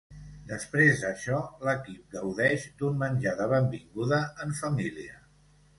Després d'això l'equip gaudeix d'un menjar de benvinguda en família.